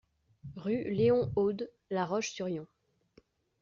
Rue Léon Aude, La Roche-sur-Yon